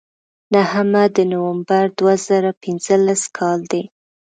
نهمه د نومبر دوه زره پینځلس کال دی.